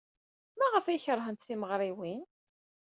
Maɣef ay keṛhent timeɣriwin?